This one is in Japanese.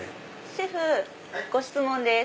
シェフご質問です。